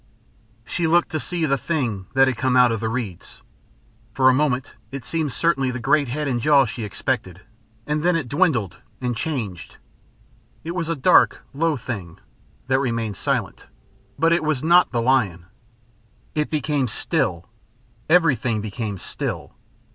She looked to see the thing that had come out of the reeds. For a moment it seemed certainly the great head and jaw she expected, and then it dwindled and changed. It was a dark low thing, that remained silent, but it was not the lion. It became still everything became still.